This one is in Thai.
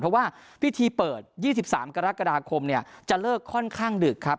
เพราะว่าพิธีเปิด๒๓กรกฎาคมจะเลิกค่อนข้างดึกครับ